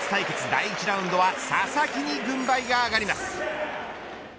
第１ラウンドは佐々木に軍配が上がります。